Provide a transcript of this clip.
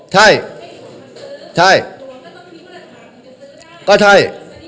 ใจใช่ใช่